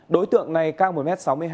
đối tượng này cao một m sáu mươi hai